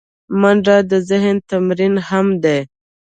منډه د ذهن تمرین هم دی